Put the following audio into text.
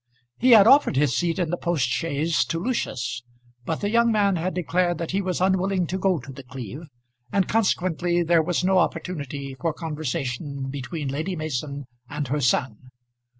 He had offered his seat in the post chaise to Lucius, but the young man had declared that he was unwilling to go to The Cleeve, and consequently there was no opportunity for conversation between Lady Mason and her son.